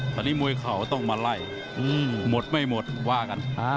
ตอนนี้มวยเข่าต้องมาไล่หมดไม่หมดว่ากัน